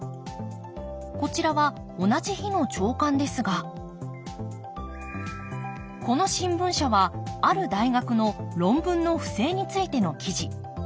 こちらは同じ日の朝刊ですがこの新聞社はある大学の論文の不正についての記事。